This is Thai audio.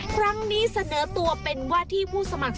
ครั้งนี้เสนอตัวเป็นว่าที่ผู้สมัคร